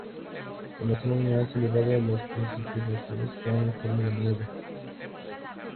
En las zonas más elevadas las precipitaciones caen en forma de nieve.